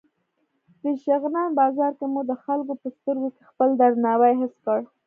د شغنان بازار کې مو د خلکو په سترګو کې خپل درناوی حس کړ.